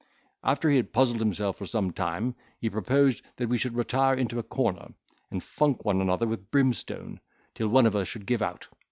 After he had puzzled himself for some time, he proposed that we should retire into a corner, and funk one another with brimstone, till one of us should give out.